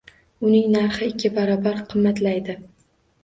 Uning narxi ikki barobar qimmatlaydi